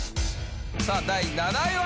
さあ第７位は！